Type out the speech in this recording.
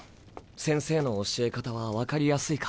先生の教え方は分かりやすいか？